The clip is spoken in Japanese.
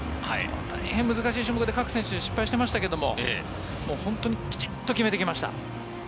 大変に難しい種目で各選手失敗してましたが本当にきちっと決めてきました。